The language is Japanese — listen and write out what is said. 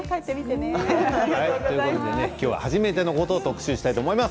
今日は初めてのことを特集したいと思います。